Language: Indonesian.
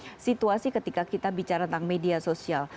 itu adalah situasi ketika kita bicara tentang media sosial